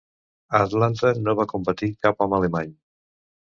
A Atlanta no va competir cap home alemany.